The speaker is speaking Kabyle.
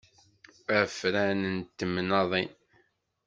Afran n temnaḍin.